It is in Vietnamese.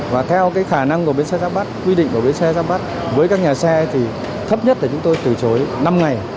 và theo khả năng của bến xe giáp bát quy định của bến xe giáp bát với các nhà xe thì thấp nhất là chúng tôi từ chối năm ngày